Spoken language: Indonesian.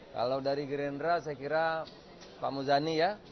kalau dari gerindra saya kira pak muzani ya